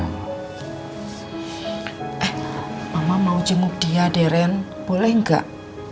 eh mama mau jenguk dia deh ren boleh nggak